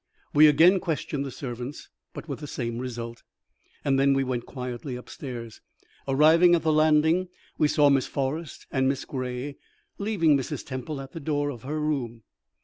We again questioned the servants, but with the same result, and then we went quietly up stairs. Arriving at the landing, we saw Miss Forrest and Miss Gray leaving Mrs. Temple at the door of her room.